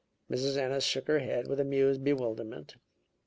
Mrs. Ennis shook her head with amused bewilderment.